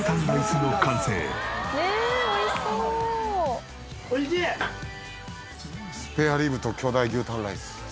スペアリブと巨大牛タンライス。